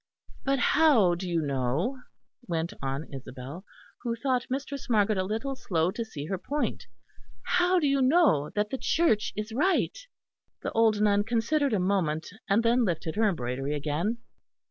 "But how do you know," went on Isabel, who thought Mistress Margaret a little slow to see her point "how do you know that the Church is right?" The old nun considered a moment, and then lifted her embroidery again.